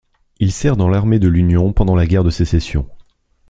Il sert dans l'armée de l'Union pendant la guerre de Sécession.